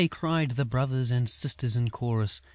cried the brothers and sisters in chorus.